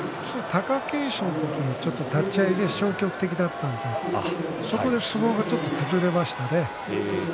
貴景勝の時に立ち合いで消極的だったんです、そこで相撲が崩れましたね。